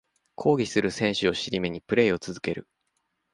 抗議する選手を尻目にプレイを続ける